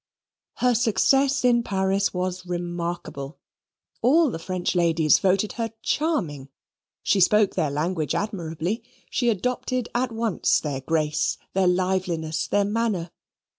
Her success in Paris was remarkable. All the French ladies voted her charming. She spoke their language admirably. She adopted at once their grace, their liveliness, their manner.